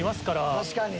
確かに。